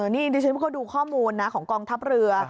นี่ดิฉันก็ดูข้อมูลนะของกองทัพเรือ